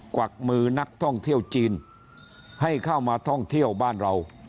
วักมือนักท่องเที่ยวจีนให้เข้ามาท่องเที่ยวบ้านเรา